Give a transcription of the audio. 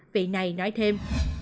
vị này nói thêm